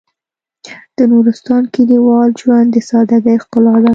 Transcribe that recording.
د نورستان کلیوال ژوند د سادهګۍ ښکلا ده.